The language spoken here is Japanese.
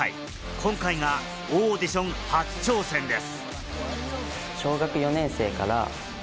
今回がオーディション初挑戦です。